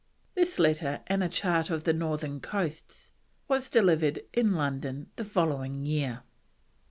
This letter and a chart of the northern coasts was delivered in London the following year.